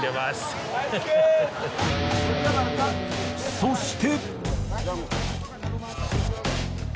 そして。